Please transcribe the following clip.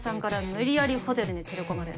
無理やりホテルに連れ込まれ